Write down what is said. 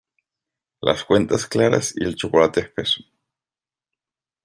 Las cuentas claras y el chocolate espeso.